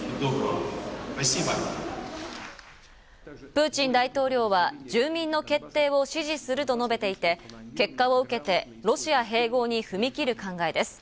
プーチン大統領は、住民の決定を支持すると述べていて、結果を受けて、ロシア併合に踏み切る考えです。